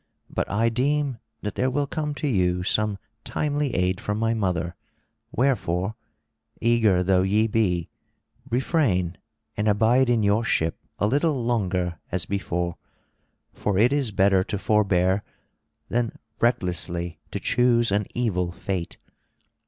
But I deem that there will come to you some timely aid from my mother. Wherefore, eager though ye be, refrain and abide in your ship a little longer as before, for it is better to forbear than recklessly to choose an evil fate.